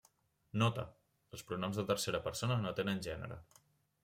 Nota: els pronoms de tercera persona no tenen gènere.